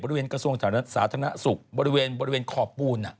กระทรวงสาธารณสุขบริเวณขอบปูน